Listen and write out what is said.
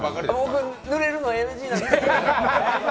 僕ぬれるのはＮＧなんです。